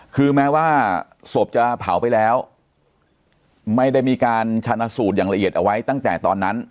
คือแม้ว่าศพจะเผาไปแล้วไม่ได้มีการชนะสูตรอย่างละเอียดเอาไว้ตั้งแต่ตอนนั้น